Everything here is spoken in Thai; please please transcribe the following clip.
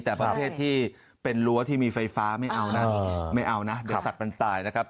แต่ประเภทที่เป็นรั้วที่มีไฟฟ้าไม่เอานะไม่เอานะเดี๋ยวสัตว์มันตายนะครับ